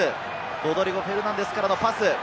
ロドリゴ・フェルナンデスからのパス。